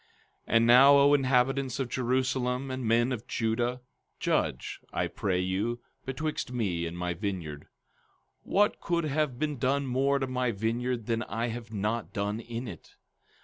15:3 And now, O inhabitants of Jerusalem, and men of Judah, judge, I pray you, betwixt me and my vineyard. 15:4 What could have been done more to my vineyard that I have not done in it?